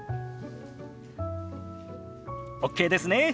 ＯＫですね。